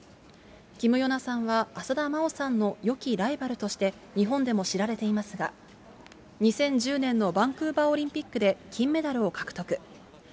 キム・ヨナさんは浅田真央さんのよきライバルとして、日本でも知られていますが、２０１０年のバンクーバーオリンピックで金メダルを獲得。